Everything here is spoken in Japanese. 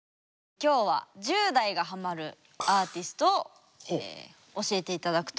きょうは１０代がハマるアーティストを教えて頂くと。